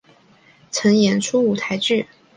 曾演出舞台剧。